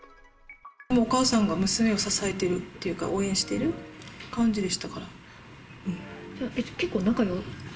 お母さんが娘を支えているというか、応援してる感じでしたから。